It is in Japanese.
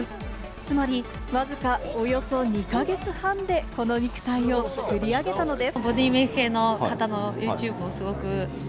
つまり、わずかおよそ２か月半でこの肉体を作り上げたのです。